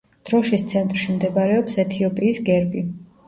დროშის ცენტრში მდებარეობს ეთიოპიის გერბი.